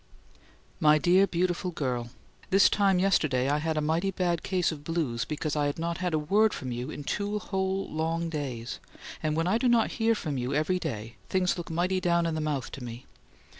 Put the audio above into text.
MY DEAR, BEAUTIFUL GIRL: This time yesterday I had a mighty bad case of blues because I had not had a word from you in two whole long days and when I do not hear from you every day things look mighty down in the mouth to me.